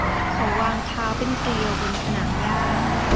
เขาวางเท้าเป็นเกลียวบนสนามหญ้า